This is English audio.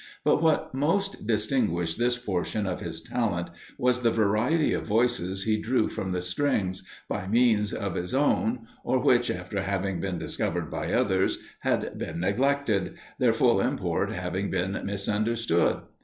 But what most distinguished this portion of his talent was the variety of voices he drew from the strings, by means of his own, or which, after having been discovered by others, had been neglected, their full import having been misunderstood.